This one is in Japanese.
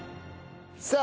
さあ